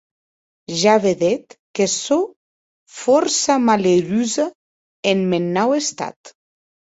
Ja vedetz que sò fòrça malerosa en mèn nau estat.